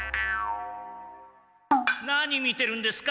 何見てるんですか？